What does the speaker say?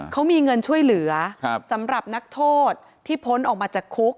เขามีเงินช่วยเหลือสำหรับนักโทษที่พ้นออกมาจากคุก